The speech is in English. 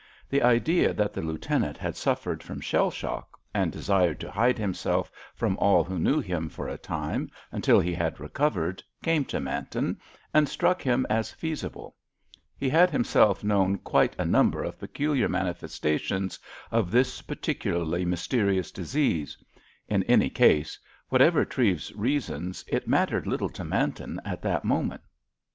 The idea that the Lieutenant had suffered from shell shock, and desired to hide himself from all who knew him for a time until he had recovered, came to Manton, and struck him as feasible. He had himself known quite a number of peculiar manifestations of this particularly mysterious disease. In any case, whatever Treves's reasons, it mattered little to Manton at that moment.